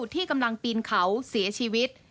ที่กำลังปีนเขาเสียชีวิต